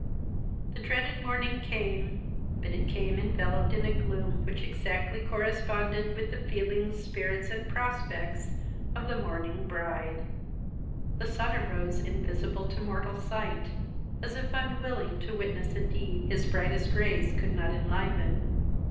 The dreaded morning came, but it came enveloped in a gloom which exactly corresponded with the feelings, spirits, and prospects, of the mourning bride. The sun arose invisible to mortal sight, as if unwilling to witness a deed his brightest rays could not enliven.